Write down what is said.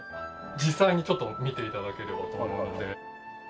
実際にちょっと見て頂ければと思うので。